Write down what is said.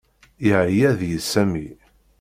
Yeɛya deg-i Sami.